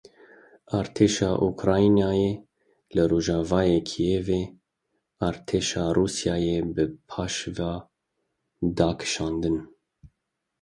Artêşa Ukraynayê li rojavayê Kievê artêşa Rûsyayê bi paşve da kişandin.